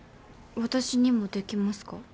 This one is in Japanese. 私にもできますか？